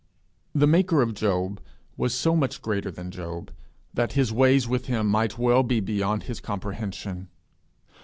The maker of Job was so much greater than Job, that his ways with him might well be beyond his comprehension!